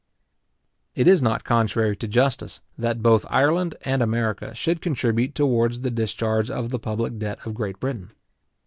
It is not contrary to justice, that both Ireland and America should contribute towards the discharge of the public debt of Great Britain.